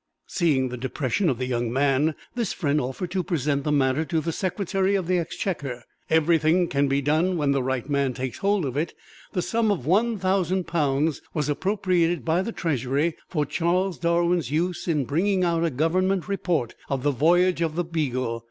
Seeing the depression of the young man, this friend offered to present the matter to the Secretary of the Exchequer. Everything can be done when the right man takes hold of it: the sum of one thousand pounds was appropriated by the Treasury for Charles Darwin's use in bringing out a Government report of the voyage of the "Beagle."